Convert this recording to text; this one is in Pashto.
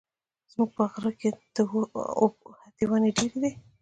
زموږ په غره کي د اوبښتي وني ډېري دي.